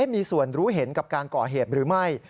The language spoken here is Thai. มีส่วนรู้เห็นกับการก่อเหตุหรือไม่